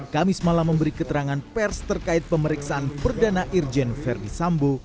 kamis malam memberi keterangan pers terkait pemeriksaan perdana irjen verdi sambo